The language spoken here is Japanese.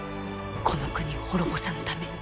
この国を滅ぼさぬために。